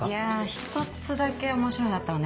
１つだけ面白いのあったわね。